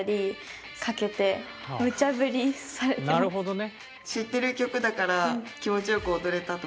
なるほどね。